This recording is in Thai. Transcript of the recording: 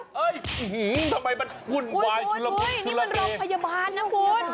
เฮ้ยทำไมมันหุ่นวายชุระเกคุณนี่มันโรงพยาบาลนะคุณ